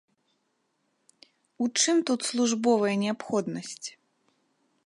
У чым тут службовая неабходнасць?